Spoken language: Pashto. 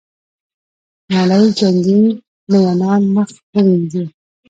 نړۍ جنګي میینان مخ ووینځي.